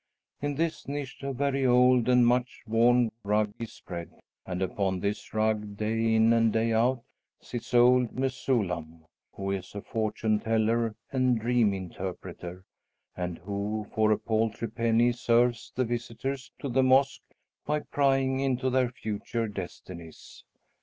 In this niche a very old and much worn rug is spread; and upon this rug, day in and day out, sits old Mesullam, who is a fortune teller and dream interpreter, and who for a paltry penny serves the visitors to the mosque by prying into their future destinies.